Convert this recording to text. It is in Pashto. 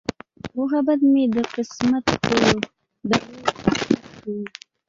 محبت مې د قسمت په دوړو کې ښخ شو.